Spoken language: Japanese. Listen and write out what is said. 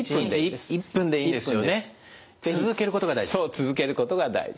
続けることが大事。